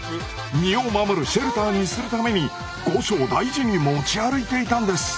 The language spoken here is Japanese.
身を守るシェルターにするために後生大事に持ち歩いていたんです。